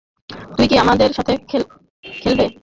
তুমি কি আমাদের সাথে খেলবে?